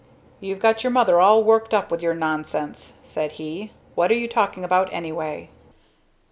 "You've got your Mother all worked up with your nonsense," said he. "What are you talking about anyway?"